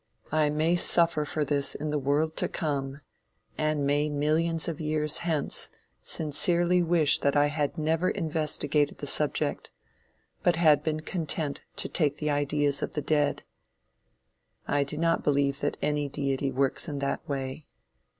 I may suffer for this in the world to come; and may millions of years hence, sincerely wish that I had never investigated the subject, but had been content to take the ideas of the dead. I do not believe that any Deity works in that way.